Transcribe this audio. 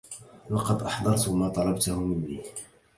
لقد أحضرت ما طلبَته منّي.